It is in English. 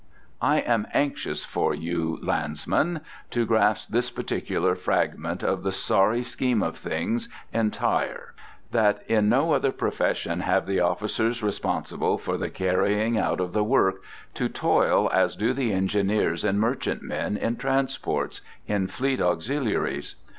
I am anxious for you, a landsman, to grasp this particular fragment of the sorry scheme of things entire, that in no other profession have the officers responsible for the carrying out of the work to toil as do the engineers in merchantmen, in transports, in fleet auxiliaries.